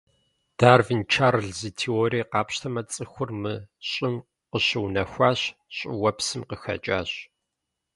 Дарвин Чарльз и теориер къапщтэмэ, цӏыхур мы Щӏым къыщыунэхуащ, щӏыуэпсым къыхэкӏащ.